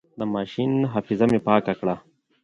د ماشين حافظه مې پاکه کړه.